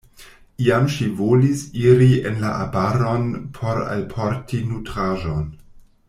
Iam ŝi volis iri en la arbaron por alporti nutraĵon.